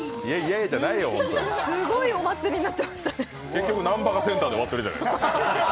結局南波がセンターで終わってるじゃないですか。